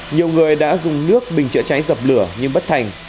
nhiều người đã dùng nước bình chữa cháy dập lửa nhưng bất thành